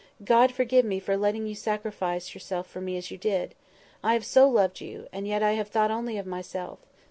God forgive me for letting you sacrifice yourself for me as you did! I have so loved you—and yet I have thought only of myself.